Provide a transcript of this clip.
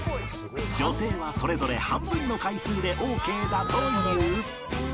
女性はそれぞれ半分の回数でオーケーだという。